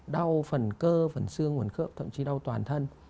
đau phần cơ phần xương nguồn khớp thậm chí đau toàn thân